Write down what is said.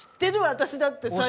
私だって最近。